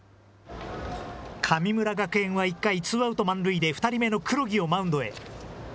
神村学園は１回、ツーアウト満塁で２人目の黒木をマウンドへ。